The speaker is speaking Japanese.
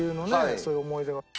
そういう思い出が。